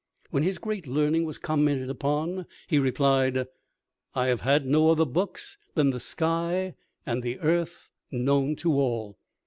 When his great learning was commented upon, he replied, "I have had no other book than the sky and the earth, known to all."